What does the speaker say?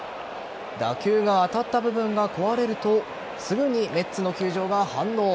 打球が当たった部分が壊れるとすぐにメッツの球場が反応。